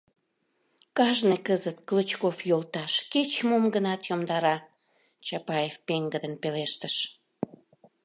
— Кажне кызыт, Клычков йолташ, кеч-мом гынат йомдара, — Чапаев пеҥгыдын пелештыш.